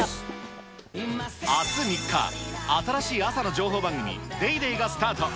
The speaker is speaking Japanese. あす３日、新しい朝の情報番組、ＤａｙＤａｙ．がスタート。